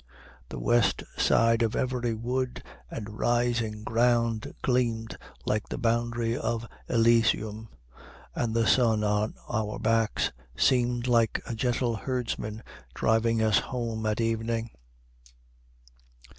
The west side of every wood and rising ground gleamed like the boundary of Elysium, and the sun on our backs seemed like a gentle herdsman driving us home at evening.